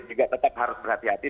tetap harus berhati hati